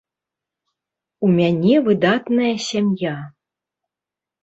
У мяне выдатная сям'я.